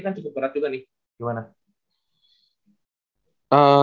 kan cukup berat juga nih gimana